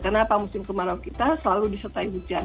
kenapa musim kemarau kita selalu disertai hujan